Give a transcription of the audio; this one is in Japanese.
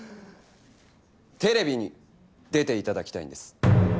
テレビに出て頂きたいんです。